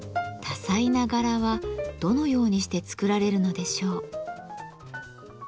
多彩な柄はどのようにして作られるのでしょう？